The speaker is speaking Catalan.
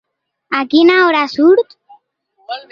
A quina hora surt?